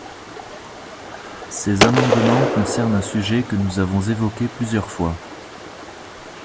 Ces amendements concernent un sujet que nous avons évoqué plusieurs fois.